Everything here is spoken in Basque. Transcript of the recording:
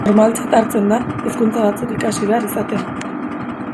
Normaltzat hartzen da hizkuntza batzuk ikasi behar izatea.